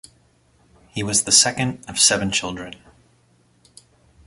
He was the second of seven children.